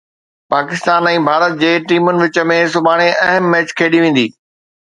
پاڪستان ۽ ڀارت جي ٽيمن وچ ۾ سڀاڻي اهم ميچ کيڏي ويندي